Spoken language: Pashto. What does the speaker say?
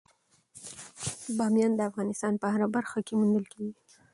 بامیان د افغانستان په هره برخه کې موندل کېږي.